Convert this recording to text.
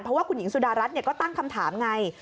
เพราะว่าคุณหญิงสุดารัฐก็ตั้งคำถามไง